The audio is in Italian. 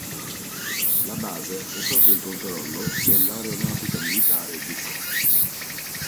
La Base è sotto il controllo dell'Aeronautica Militare Egiziana.